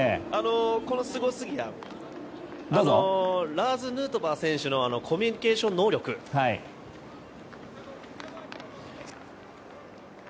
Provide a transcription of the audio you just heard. ラーズ・ヌートバー選手のコミュニケーション能力です。